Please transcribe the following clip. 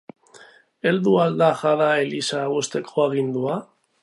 Heldu al da jada eliza husteko agindua?